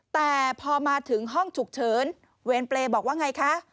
แต่พอมาถึงห้องฉุกเฉินเวรเปรย์บอกว่าไงคะ